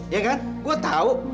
ya kan gue tau